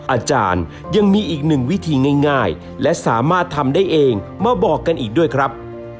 อาจารย์ยังมีอีกหนึ่งวิธีง่ายและสามารถทำได้เองมาบอกกันอีกด้วยครับ